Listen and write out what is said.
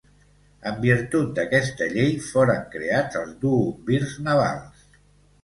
En virtut d'aquesta llei foren creats els duumvirs navals.